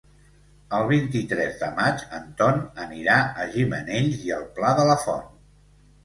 El vint-i-tres de maig en Ton anirà a Gimenells i el Pla de la Font.